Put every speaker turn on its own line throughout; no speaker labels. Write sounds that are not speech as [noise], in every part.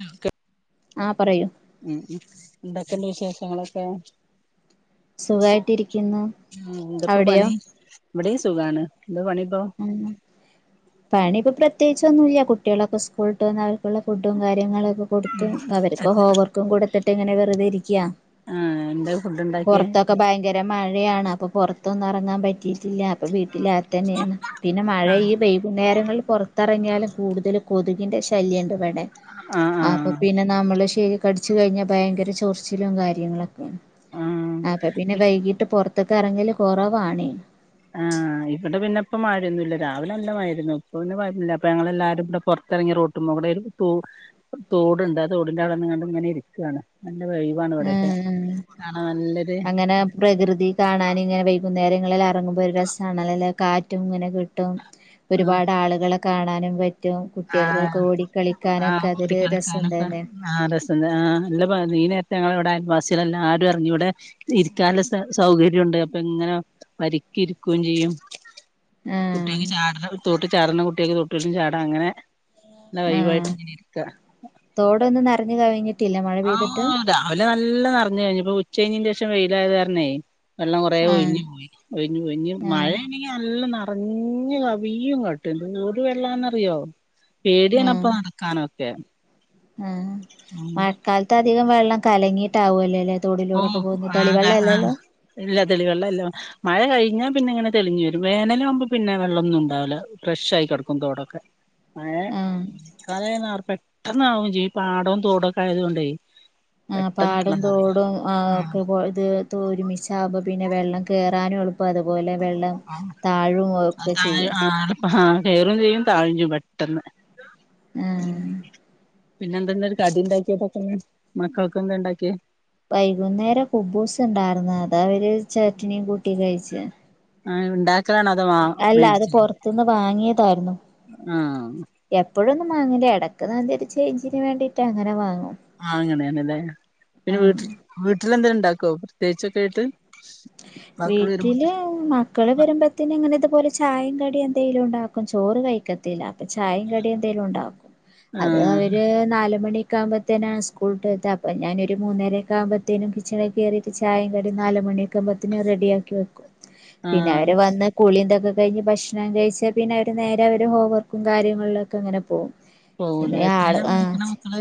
ആ [unintelligible]
ആഹ പറയൂ
ഉം ഉ ഉണ്ടൊക്കന്റെ വിശേഷങ്ങളൊക്കെ
സുഖായിട്ടിരിക്കുന്നു അവിടെയോ
ഇവിടെ സുഖാണ് എന്താ പണിപ്പോ
ആ പണി ഇപ്പൊ പ്രതേകിച്ചു പ്രത്യേകിച്ചൊന്നുല്ല്യ കുട്ടിയേളൊക്കെ സ്കൂളിൽ വിട്ട് വന്നാ അവർക്കുള്ള ഫുഡും കാര്യങ്ങളൊ ക്കെ കൊടുത്ത് അവര്ക്ക് ഹോംവർക്കും കൊടുത്തിട്ട് ഇങ്ങനെ വെറുതെ ഇരിക്ക്യാ
ആഹ് എന്താ ഫുഡ് ഉണ്ടാക്കിയേ
പൊറത്തൊക്കെ ഭയങ്കര മ ഴയാണ് അപ്പൊ പുറത്തൊന്നും എറങ്ങാൻ പറ്റിയിട്ടില്ല അപ്പ വീട്ടില തന്നെയാണ് പിന്നെ മഴ ഈ വൈകുന്നേരങ്ങള് പുറത്തിറങ്ങിയാലും കൂടുതൽ കൊതുകിൻ്റെ ശല്യം ണ്ട് ഇവടെ
ആഹ്
അപ്പൊ
ആഹ്
പിന്നെ നമ്മള് ശ കടിച്ച് കഴിഞ്ഞാ ഭയങ്കര ചൊർച്ചിലും കാര്യങ്ങളൊ ക്കെ
ആഹ്
അപ്പൊ പിന്നെ വൈകിട്ട് പറ പൊറ ത്തൊക്കെ എറങ്ങല് കൊറവാണ്
ആഹ് ഇവിടെ പിന്നെ ഇപ്പ മഴൊന്നില്ല രാവിലെ അല്ല മഴരുന്നു ഇപ്പന്നെ പ [unintelligible] യില്ല അപ്പൊ ഞങ്ങള് എല്ലാരും ഇവിടെ പുറത്തിറങ്ങി റോട്ടുമ്പോ ഇവിടെ ഒരു തോ തോടുണ്ട് ആ തോടിന്റെ അവിടെ വന്ന്കാണ്ട് ഇങ്ങനെ ഇരിക്കാണ് നല്ല ഒഴിവാണ്
ഉം
ഇവിടെയൊക്കെ
ഉ
കാണാൻ നല്ലൊരു
അങ്ങനെ പ്രകൃതി കാണാൻ ഇങ്ങനെ വയ് കുന്നേരങ്ങളിൽ എറങ്ങുമ്പോ ഒരു രസാണല്ലൊ ലേ കാറ്റും ഇങ്ങനെ കിട്ടും ഒരുപാട് ആളുകളൊ കാണാനും പ
ആ ആ
അതൊരു രസം
ടിക്കളിക്കാനൊക്കെ
തന്നെ
ആ രസം ണ്ട് ആ ല്ല [unintelligible] ഈ നേരത്തെ ഞങ്ങളിവിട വാസികള് എല്ലാരും അറ ങ്ങി ഇവിടെ ഇരിക്കാനുള്ള സ സൗകര്‌യൂണ്ട് അപ്പ ഇങ്ങനെ വരിക്ക് ഇരിക്കും ചെയ്യും
ആഹ്
കുട്ടിയേക്ക് ചാട തോട്ട് ചാട്ണ കുട്ടി യേക്ക് തൊട്ടിക്കും ചാട അങ്ങനെ എന്നാ വൈവായിട്ട്
ആഹ്
ഇങ്ങനെ ഇരിക്ക
റഞ്ഞു കവിഞ്ഞ്
ആഹ് രാവിലെ നല്ല നറഞ്ഞ് കഴിഞ്ഞ് ഇപ്പോ ഉച്ചയിഞ്ഞിൻ്റെ ശം വെയിയിലായത് കാരണേ വെള്ളം കുറേ
ആഹ്
ഒഴിഞ്ഞ് പോയി ഒഴിഞ്ഞൊഴിഞ്
ആഹ്
മഴയാണെങ്കിൽ നല്ല റഞ്ഞ് കവിയും ഇങ്ങട്ട് എന്തോരു വെള്ളാന്നറിയോ പേടിയാണപ്പ
ആഹ്
നടക്കാനൊ ക്കെ
ആഹ് മഴ. കാലത്ത ആ അധികം വെള്ളം കലങ്ങിയിട്ടാവല്ലോ ലേ
ഓ ആ ആഹ ഇല്ല തെളിവെള്ളം ഇല്ല മഴ കഴിഞ്ഞാ പിന്നെ ഇങ്ങനെ തെളിഞ്ഞു വരും വേനലാകുമ്പോ പിന്നെ വെള്ളൊന്നുംണ്ടാവൂല്ല ഫ്രഷ് ആയി കിടക്കും തോടൊക്കെ മഴ
ആഹ്
ക്കാലായാ [unintelligible] പെട്ടന്നാവും ജീ പാടവും തോടൊക്കെ ആയത് കൊണ്ടേ
ആഹ്
പെട്ടെന്ന്
പാടും
വെള്ളം നിറയും
തോടും അ ഒക്കെബോൾ ഇത് ത്തോരുമിച്ചാവുമ്പം പിന്നെ വെള്ളം കേറാനു എളുപ്പ അതുപോലെ വെള്ളം താഴും ഒക്കെ ചെയ്യും
ഏറും ചെയ്യും താഴ്ചും പെട്ടെന്ന്
ആ
ഉം പിന്നെന്ത് [unintelligible] ന്ന ഒരു കടി ണ്ടാക്യ പെട്ടെന്ന് മക്കളൊക്കെന്തേ ണ്ടാക്ക്യ
വൈകുന്നേരം കുബൂസ് ഉണ്ടായിര്ന്ന് അതാവര് ചട്നിം കൂട്ടി കഴിച്
ആഹ്ഉണ്ട
അല്ല അത് പൊറ്ത്തുന്ന് വാങ്ങിയതായിരുന്നു
ആ
ഇപ്പോഴൊന്നും മാങ്ങല എടക്ക് നല്ലെരു ചൈഞ്ചിന് വേണ്ടീട്ട് അങ്ങനെ വാങ്ങും
ആഹ് അങ്ങനെന്നെല്ലെ പിന്നെ
ആഹ്
വീട്ടിൽ വീട്ടിലെന്തേണ്ടാക്കോ ത്യേച്ചൊക്കെ ആയിട്ട് മക്കള് വരുമ്പോ
വീട്ടില് മക്കള് വരുമ്പത്തെങ്ങനെ ഇതുപോലെ ചായ കടി എന്തേലുണ്ടാക്കും ചോറ് കഴിക്കത്തില്ല ചായും കടിയെന്തെലും ഉണ്ടാക്കും
ആ
അത് അവര് നാലുമണി ആക്കുമ്പത്തേന്നെ സ്കൂള്ട്ടത്ത അപ്പ ഞാനൊരു മൂന്നേരക്കാവുമ്പൊ ത്തിനും കിച്ചണിൽ കേറിട്ട് ചായ കടി നാലു മണിക്ക്മ്പ ന്നെ റെഡിയാക്കി വെക്കും പിന്നെ
ആ
അവര് വന്ന് കുളിന്റെ ഒക്കെ കഴിഞ്ഞ് ഭക്ഷണം കഴിച്ചാൽ പിന്നെ അവര് നേരെ അവര് ഹോം വർക്കും കാര്യങ്ങളിലൊക്കെ അങ്ങനെ പോവും
പോവൂലെ
പിന്നെ ആള്
എത്രയിലാ
ആഹ
പഠിക്കണ മക്കള്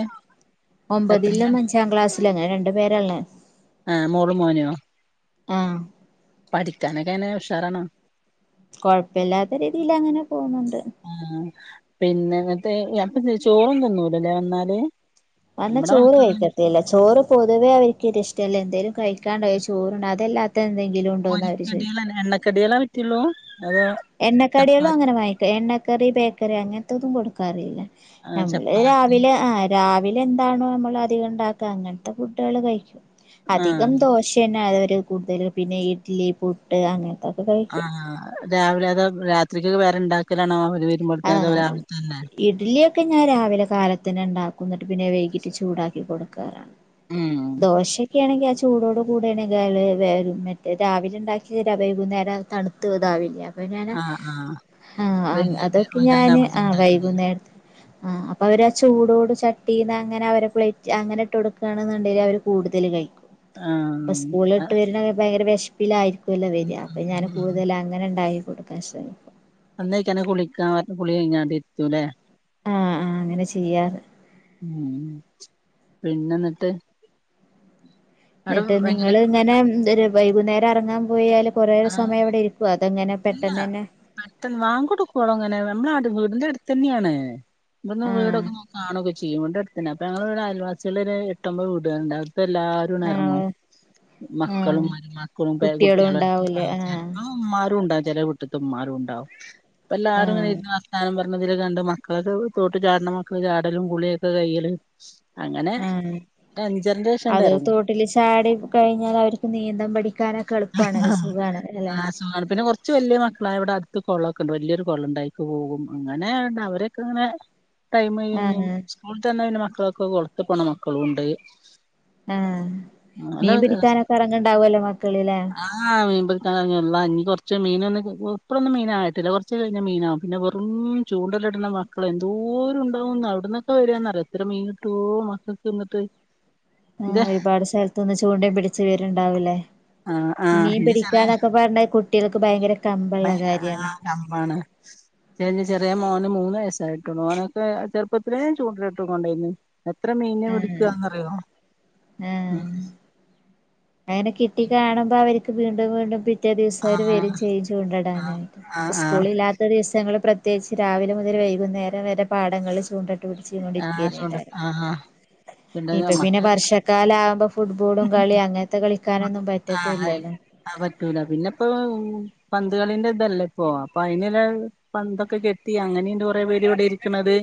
ഒമ്പതിലും
എത്രയിലാ
ഒന്ന് അഞ്ചാം ക്ലാസ് ങ്ങനെ രണ്ടു പേരല്ലേ
ആഹ് മോളും മോനോ
ആഹ്
പഠിക്കാനൊക്കെങ്ങനെ ഉഷാറാണോ
കൊഴപ്പില്ലാത്ത രീതിയിലങ്ങനെ പോന്നുണ്ട്
ആ പിന്നെ [unintelligible] അപ്പൊ ചോറൊന്നു തീന്നൂലലെ വന്നാല്
വന്ന
നമ്മടെ
ചോറ്
മക്കള്
കയിക്കത്തെല്ല ചോറു പൊതുവേ അവർക്ക് ഇത് ഇഷ്ടല്ല എന്തെലും കഴിക്കാണ്ടാ ചോറ്ണ്ടാവും അതെല്ലാ
പൊരിക്കട്യേളല്ലെ എണ്ണക്കട്യേലെ പറ്റൊള്ളൂ
എണ്ണക്കട്യേളും അങ്ങനെ വാങ്ങിക്ക എണ്ണ കറി ബേക്കറി അങ്ങൻതതും കൊടുക്കാറില്ല
ആ
നമ്മള്
ചപ്പാത്തി
രാവിലെ ആഹ് രാവി ട്ടില് എന്താണോ നമ്മൾ അധികം ഉണ്ടാക്ക അങ്ങൻത്തെ ഫുഡ്ഡ്കള് കഴിക്കും
ആ
അധികം ദോശന്നെ അഹ് കൂടുതലും പിന്നെ ഇഡ്ലി പുട്ട് അങ്ങനെ
ആഹ് രാവിലെ അതാ രാത്രിക്കൊക്കെ വേറെ ഇണ്ടാക്കലാണോ
ആഹ് ഇഡ്ലിയൊക്കെ ഞാൻ രാവിലെ കാലത്ത തന്നെ ഇണ്ടാക്കും ന്ന്ട്ട് പിന്നെ വൈകിട്ട് ചൂടാക്കി കൊടുക്കാറാണ്
ഉം
ദോശെ ന്ക്ക്യയാണെങ്കിൽ ആ ചൂടോട് കൂടെയാണെങ്കില് [unintelligible] രാവിലെ ഇണ്ടാക്കിയതാ വൈകുന്നേരം തണുത്ത് ഇതാവില്ലേ പ്പ ഞാന്
ആ ആ
ആ ആ അത്
വൈകുന്നേരം
ക്ക് ഞാന്
വരാനാവുമ്പഴത്തേന്
ആ
ഉണ്ടാക്കല്
വൈകുന്നേരത്തെ ആ അപ്പൊ അവര് ആ ചൂടോട് ചട്ടീന്ന് അങ്ങനെ അവരെ പ്ലേറ്റ് അങ്ങനെ ഇട്ട് കൊടുക്കാണന്നുണ്ടേല് അവര് കൂടുതല് കഴിക്കും
ആ
അപ്പൊ സ്കൂള് വിട്ടുവരണെ ഭയങ്കര വെശ് പ്പിലായിരികു ത്തു അല്ലെ വര്യാ അപ്പോ ഞാൻ കൂടുതല് അങ്ങനെ ഇണ്ടായി [unintelligible]
വന്നയിക്കണെ കുളിക്കാ കുളി കഴിഞ്ഞാണ്ടിരുത്തൂല്ലേ
ആഹ് ആഹ് അങ്ങനെ ചെയ്യാറ്
ഉം പിന്നെന്ന്ട്ട്
ന്ന്ട്ട് നിങ്ങളിങ്ങനെ ഉം [unintelligible] വൈകുന്നേരം എറങ്ങാൻ പോയാലും
ആഹ് ഇല്ല
തന്നെ
പെട്ടെന്ന് ബാങ്ക് കൊടുക്കുവോളം അങ്ങനെ വേ മ്മളാടു വീടിന്റെ അടുത്തന്നെയാണ് ഇവിടന്ന്
ആഹ്
വീടൊക്കെ കാണൊക്കെ ചെയ്യും. വീടിന്റെ അടുത്തന്നെ അപ്പ ഞങ്ങള് വ്ടെ അയൽവാസിയളൊര് എട്ടോമ്പത് വീട്കള്ണ്ടാവും ക്കല്ലാരൊന്നറങ്ങും
ആഹ് ആഹ്
മക്കളും മക്കളും
കുട്ടികളും
പേരകുട്ട്യാളും
ഉണ്ടാവൂലേ
ആഹ് ചെലപ്പൊ ഉമ്മാരു പ്പളുണ്ടാവും ചെലേ വീട്ടിത്തമ്മാരും ഉണ്ടാവും പ്പല്ലാരും ഇങ്ങനെ
ആഹ്
ഇരുന്ന് വർത്താനം പ [unintelligible] രണ്ട് മക്കള്തും തോട്ട്ചാട്ണ മക്കള് ചാടലും കുളിയൊക്കെ കയ്യലും
ആ അത്
ഇറങ്ങും
തോട്ടില് ചാടി കഴിഞ്ഞാൽ അവര്ക്ക് നീന്താന് പഠിക്കാന
ആ സുഖാണ് പിന്നെ കൊറച്ച് വല്ല്യാ മക്കളായവ്ടെ അ ത്ത് കൊളക്കണ്ട് വല്ല്യൊരു കൊളണ്ടയിക്ക് പോകും അങ്ങനെ ണ്ട് അവരൊക്കെ അങ്ങനെ ടൈമയ്യുഞ്ഞും
ആഹ്
സ്കൂള്ട്ടന്നാ പിന്നെ മ ക്കളൊക്കെ കൊളത്ത് പോണ മക്കളുണ്ട്
ആ മീൻ പിടിക്കാനൊക്കെ എറങ്ങേണ്ടാവല്ലോ ങ്ങക്ക്
ആ മീൻ പി [unintelligible] കൊറ്ച്ച് മീനൊന്ന് പോകൊ പ്പളൊന്നും മീനായിട്ടില്ല കൊറച്ച് കഴിഞ്ഞ മീനാവും. പിന്നെ വെറും ചൂണ്ടല്ട്ണ മക്കളെന്തോരം ഉണ്ടാവുംന്ന എവിടന്നൊക്കെ വരൂന്നറിയൊ എത്ര മീൻ കിട്ടുവോ മക്കള്ക്ക്ന്ന്ട്ട്
ആ ഒരുപാട് സ്ഥലത്ത്ന്ന് ചൂണ്ടയും പിടിച്ചു വര്ണ്ടാവുല്ലേ
ആഹ് ആഹ്
മീൻ പിടിക്കാനൊക്കെപാണ്ടെ കുട്ടിയേൾക്ക് ഭയങ്കര
അ
കമ്പുള്ള
ആ
കാര്യാണ്
കമ്പാണ് ചേഞ് ചെറിയ മോന് മൂന്ന് വയസായിട്ടൊള്ളു ഓനൊക്കെ ചെറുപ്പത്തിലേ ചൂണ്ടല്ട്ടും കൊണ്ടേയ്ന്ന്
ആ ആ
ഉം
അങ്ങനെ കിട്ടി കാണുമ്പോ അവര് ക്ക് വീണ്ടു വീണ്ടു പി റ്റേ ദിവസവര്
ആഹ്
വെരും ചെയ്യും
ആഹ്
ചൂണ്ടടാനായിട്ട്
ആഹ് ആഹ്
സ്കൂള് ഇല്ലാത്ത ദിവസങ്ങള് പ്ര ത്യേയിച്ച് രാവിലെ മുതല് വൈകുന്നേരം വരെ പാടങ്ങളില് ചൂണ്ട ഇ
ആഹ് ചൂണ്ട് ആ
ഇത് പിന്നെ വർഷക്കാല ആവുമ്പൊ ഫുട്ബോളും കളിയും അങ്ങനത്തെ കളിക്കാനൊന്നും
ആഹ്
പറ്റത്തുല്ലല്ലോ
പന്തുകളിന്റെ ഇതല്ലേ ഇപ്പോ പ്പൊ അയ്ന്ള്ള പന്തൊക്കെ കെട്ടി അങ്ങനിണ്ട് കൊറേ പേര് ഇവിടെ ഇരിക്ക്ണത്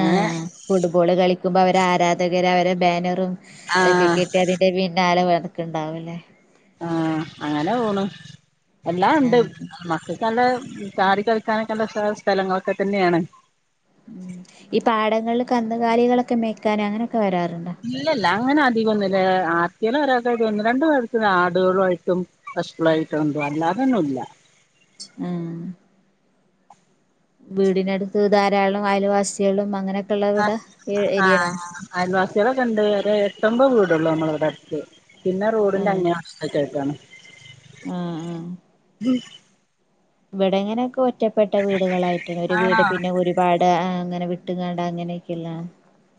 ആ ഫുട്ബോള് കളിക്കുമ്പോ അവര് ആരാധ രവരെ ബാനറും ഇതൊക്കെ
ആഹ്
കിട്ടി അതിന്റെ പിന്നാലെ [unintelligible] ക്കെ ണ്ടാവൂലേ
ആ അങ്ങനെ പോണു എല്ലാം ഉണ്ട്
ആഹ്
ഇമ്മാക്ക് നല്ല ചാടി കളിക്കാനൊക്കെല്ല സ സ്ഥലങ്ങളൊക്കെ തന്നേണ്
കന്ന്കാലികളൊക്കെ മേക്കാന് അങ്ങനെ
ഇല്ലല്ല അങ്ങനെ അധികൊന്നില്ല എ ആ [unintelligible] ഒരാക്കായിട്ട് ഒന്ന് രണ്ടു പേർക്ക് ആടു കൊളായിട്ടും പശുക്കളായിട്ടും ഉണ്ടും അല്ലാതൊന്നും ഇല്ല
ആഹ് വീടിനടുത്ത് ധാരാളം അയൽവാസികളും അങ്ങനെ
ആ ആ അയൽവാസികളൊക്കെ ഇണ്ട് ഒര് എട്ടൊമ്പഅ് വീ ടൊള്ളൂ നമ്മളവടട്ത്ത് പിന്നെ റോഡിന്റെ അങ്ങേ അ [unintelligible] ഒക്കെ ആയിട്ടാണ്
ആ ആ
ഉ
ഇവിടെങ്ങനൊക്കെ ഒ റ്റപ്പെട്ട വീടുകളായിട്ടാണ് ഒരു വീട് പിന്നെ ഒരുപാട് അ അങ്ങനെ വി ഇട്ട്ങ്ങാണ്ടാ അങ്ങനെയൊക്കെല്ലാ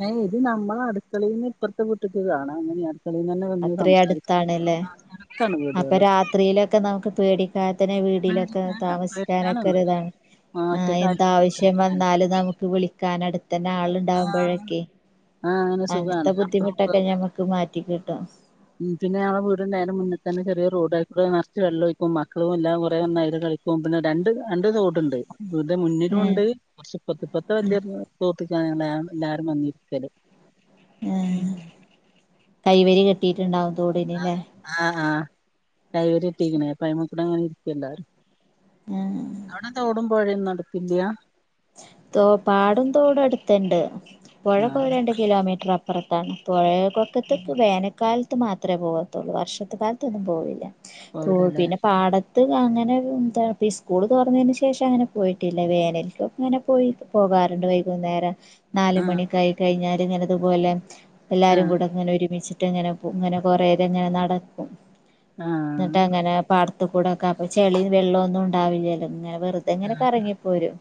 അയ് ഇത് നമ്മള അടുക്കളേന്ന് ഇപ്പറത്തെ വീട്ടിക്ക് കാണാം അങ്ങനെയ ക്കളേന്നെന്നെ വന്ന്
അത്രയും
സംസാരിക്കാൻ പറ്റും
അടുത്താണല്ലേ
ആ [unintelligible] ത്താണ് വീടുകള്
പേടി [unintelligible] വീടിലൊക്കെ
പേടിക്കാന്
താമസിക്കാനൊക്കെ
പേടിക്കാനൊന്നുല്ല
ഒരുതാണ്. ആ
ഒറ്റക്കായി
എന്താവശ്യം
പേടിക്കാനൊന്നുല്ല
വന്നാലും നമുക്ക് വിളിക്കാൻ അടുത്തന്നെ ആള്ണ്ടാവുമ്പഴൊക്കെ
ആ അങ്ങനെ
അങ്ങൻത്തെ
സുഖാണ് അപ്പറോം ഇപ്പറോം
ബുദ്ധിമുട്ടൊക്കെ ഞമ്മക്ക് മാ റ്റിക്ക് ട്ടോ
ഉം പിന്നെ ഞങ്ങളെ വീടിൻ്റെ നേരെ മുന്ന് തന്നെ ചെറിയ റോഡ് അയ്ക്കൂടെ നർച്ച് വെള്ളം ഒഴിക്കും മക്കളും എല്ലാം കൊറേ ഒന്നയില് കളിക്കും പിന്നെ രണ്ട് രണ്ട് തോട്ണ്ട്. ഇത്
ഏഹ്
മുന്നിലുണ്ട് കുറച്ച് ഇപ്പത്തി ഇപ്പത്തെ വലിയ [unintelligible] [unintelligible] എല്ലാരും വന്നിരിക്കല്. ഉം
ഏഹ് കൈവരി കെട്ടിയിട്ടുണ്ടാവു
ആഹ് ആഹ് ആഹ് കൈവരി ഇട്ടിരിക്കണ് അപ്പ അയിമ്മേകൂടെ അങ്ങനെ ഇരിക്കല്ലാരും.
ആഹ്
അവിടെ തോടും പൊഴേന്നും അടുത്തില്ലാ?
തോ പാടും തോടും അടുത്തിണ്ട്. പുഴപ്പോ
ആഹ്
രണ്ട് കിലോമീറ്റർ അ പ്പർത്താണ് [unintelligible] പൊക്കത്തക്ക് വേനൽക്കാല ത്ത് മാത്രമേ പോകത്തുള്ളൂ വർഷത്ത് കാലത്തൊന്നും പോവില്ല. തോ
പോവൂലല്ലേ
പിന്നെ പാട അത് അങ്ങനെ എന്താ സ്കൂൾ തുറന്നതിന് ശേഷം അങ്ങനെ പോയിട്ടില്ല വേനലിക്കും അങ്ങനെ പോയി പോകാറുണ്ട് വൈകുന്നേരം നാല്
ആഹ്
മണിയൊക്കായി കഴിഞ്ഞാല് ഇങ്ങനെ ത്പോലെ എല്ലാരും
ആഹ്
കൂടെങ്ങനെ ഒരുമിച്ച് ഇങ്ങനെ പു ഇങ്ങനെ കൊറേകെങ്ങനെ നടക്കും ന്ന്ട്ട്
ആഹ്
അങ്ങനെ പാട് ടത്ത്കൂടൊക്കാ അപ്പ ചളി വെള്ളാെന്നുണ്ടാവില്ല്യല്ലോ ങ്ങനെ വെറ്തെങ്ങനെ കറങ്ങിപ്പോരും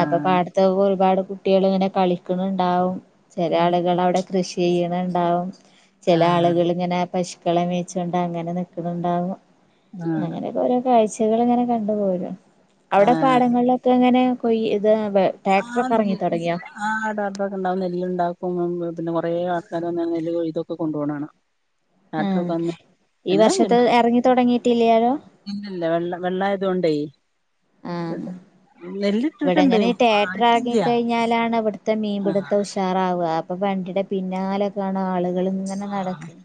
ആപ്പ
ആഹ്
പാടത്തൊക്കൊ രുപാട് കുട്ടികള്ങ്ങനെ കളിക്ക്ണ് ണ്ടാവും ചെല
ഉം
ആള്കളവ്ടെ കൃഷ് ചെയ്യ്ണ് ണ്ടാവും ചെല
ആഹ്
ആള്കള്ങ്ങനെ പശ് ക്കളെ മേച്ചാണ്ട് അങ്ങനെ നിക്ക്ണ് ണ്ടാവും
ആഹ്
അങ്ങനെയൊക്കെ ഓരോ കാഴ്ച്ച ച്ചകള്ങ്ങനെ കണ്ട് പോരാ അവ്ടെ പാടങ്ങൾലൊക്കെങ്ങനെ പൊയ് ഇത്
ആ
തുടങ്ങിയോ
[unintelligible] ആ ട്രാക്ക്ടറൊക്കെ ഉണ്ടാവും നെല്ല്ണ്ടാ ഇപ്പം [unintelligible] പിന്നെ കൊറെ ആൾക്കാര് വന്നാണ് നെല്ല് കൊയ്‌തൊക്കെ കൊണ്ടു പോണ കാണാം
ആഹ് ഈ വർഷത്തെ എറങ്ങി തൊടങ്ങിട്ടില്ലാലോ
ഇതോണ്ടേ [unintelligible] നെല്ല് ഇട്ടിട്ടുണ്ട്
ട്രാക്ടർ എറങ്ങി കഴിഞ്ഞാലാണിവിടുത്തെ ത്തെ
ആഹ്
മീൻപിടുത്ത ഉഷാറാവ ഇപ്പൊ വണ്ടിയുടെ പിന്നാലെ കാണ ആള് കള് ഇങ്ങനെ നടക്കും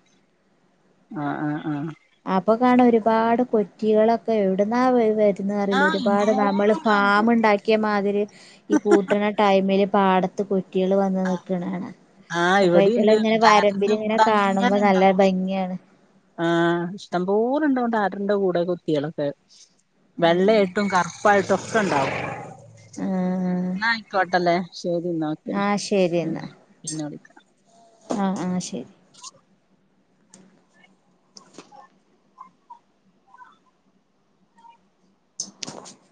ആഹ് ആഹ് ആഹ്
അപ്പൊ കാണ ഒരുപാട് കൊറ്റികളൊക്കെ എവിടുന്ന വ വര ന്ന്റില്ല
ആഹ്
ഒരുപാട് നമ്മള്
എന്തോരണ്ടാവും
ഫാമ് ഉണ്ടാക്കിയ മാതിരി ഈ പൂട്ടണ ടൈമില് പാട [unintelligible] കുട്ടികള് വന്ന് നിക്കണാണ
ആഹ് ഇവിടീണ്ട് ട്രാക്ടറ്‍ന്റെ
ഇങ്ങനെ
കൂടെ
കാണുമ്പോ
അങ്ങനെ
നല്ല
ഇണ്ടാവും
ഭംഗിയാണ്
ആഹ് അട്ടംപോലണ്ട് ഓന്റെ അരന്റെ അവ്ടെ കുത്തീണ് ലേ വെള്ളെയ്ട്ടും കർ ർപ്പയ്ട്ടൊക്കെ ഇണ്ടാവും
ആ
ന്നാ ആയിക്കോട്ടല്ലേ ശരി
ആ
ന്നോക്കെ
ആഹ് ആഹ് ശരി